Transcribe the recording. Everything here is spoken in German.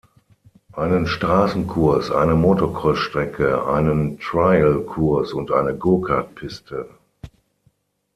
Einen Straßenkurs, eine Motocross-Strecke, einen Trial-Kurs und eine Gokart-Piste.